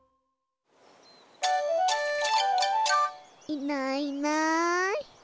いないいない。